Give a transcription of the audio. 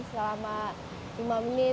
selama lima menit